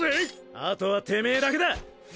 あとはてめえだけだ魔